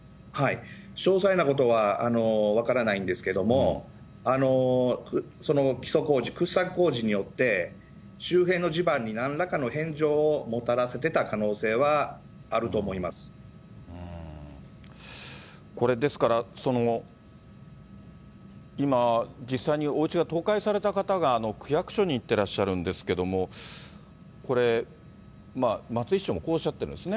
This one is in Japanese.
詳細なことは分からないですけども、基礎工事、掘削工事によって、周辺の地盤になんらかの変状をもたらせていた可能性はあると思いこれ、ですから、今、実際におうちが倒壊された方が区役所に行ってらっしゃるんですけれども、これ、松井市長もこうおっしゃっているんですね。